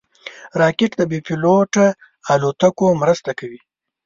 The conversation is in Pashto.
راکټ د بېپيلوټه الوتکو مرسته کوي